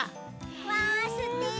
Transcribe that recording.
わすてき。